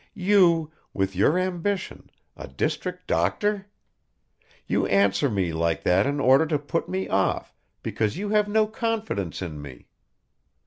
You with your ambition a district doctor! You answer me like that in order to put me off because you have no confidence in me.